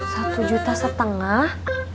satu juta setengah